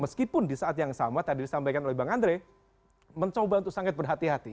meskipun di saat yang sama tadi disampaikan oleh bang andre mencoba untuk sangat berhati hati